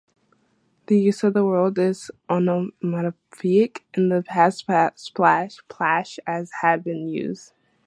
This use of the word is onomatopoeic; in the past plash has been used.